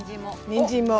にんじんも。